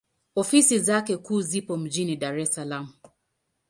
Ofisi zake kuu zipo mjini Dar es Salaam.